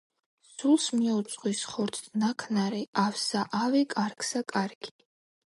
სულს მიუძღვის ხორცთ ნაქნარი, ავსა- ავი, კარგსა- კარგი.